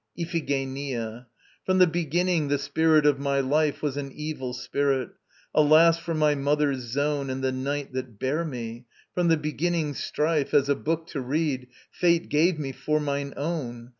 IPHIGENIA. From the beginning the Spirit of my life Was an evil spirit. Alas for my mother's zone, And the night that bare me! From the beginning Strife, As a book to read, Fate gave me for mine own.